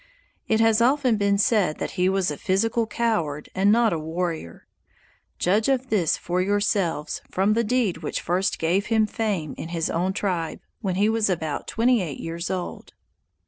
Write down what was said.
It has often been said that he was a physical coward and not a warrior. Judge of this for yourselves from the deed which first gave him fame in his own tribe, when he was about twenty eight years old.